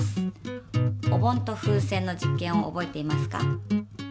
お盆と風船の実験を覚えていますか？